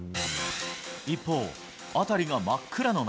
一方、辺りが真っ暗の中、